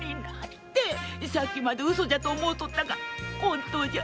さっきまで嘘じゃと思うとったが本当じゃ！